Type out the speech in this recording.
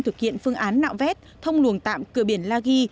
thực hiện phương án nạo vét thông luồng tạm cửa biển la ghi